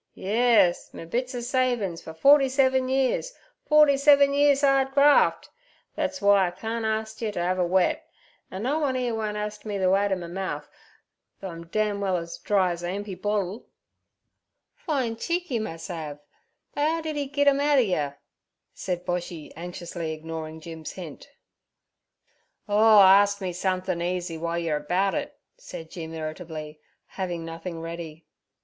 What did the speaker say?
'Yerz, me bits er savin's fer forty seven years—forty seven years 'ard graft. That's w'y I carn't arst yer ter 'ave a wet, an' no one 'ere won't ast me the way t' my mouth, though I'm d—d well as dry as a emp'y bottle.' 'Fine cheek 'e mus' 'ave; but 'ow did 'e git 'em outer yer?' said Boshy anxiously, ignoring Jim's hint. 'Oh, arst me somethin' easy w'ile yer about it' said Jim irritably, having nothing ready.